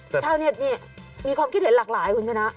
ชาวเน็ตนี่มีความคิดเห็นหลากหลายคุณชนะ